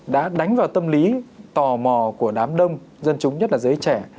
đã đánh vào tâm lý tò mò của đám đông dân chúng nhất là giới trẻ